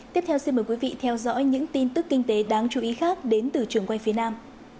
tiếp theo xin mời quý vị theo dõi những tin tức kinh tế đáng chú ý khác đến từ trường quay phía nam